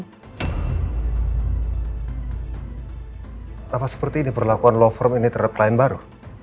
kenapa seperti ini perlakuan law firm ini terhadap klien baru